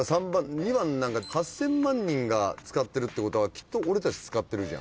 ２番なんか８，０００万人が使ってるってことはきっと俺たち使ってるじゃん。